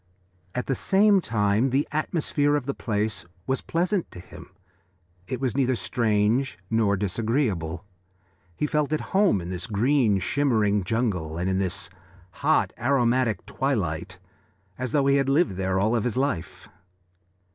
At the same time the atmosphere of the place was pleasant to him. It was neither strange nor disagreeable. He felt at home in this green shimmering jungle and in this hot, aromatic twilight, as though he had lived there all his life.